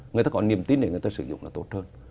người ta có niềm tin để người ta sử dụng nó tốt hơn